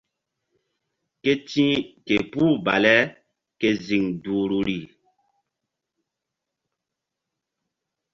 Ke ti̧h ke puh baleke ziŋ duhruri.